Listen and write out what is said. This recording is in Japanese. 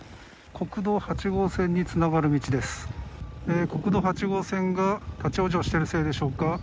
国道８号線が立ち往生しているせいでしょうか。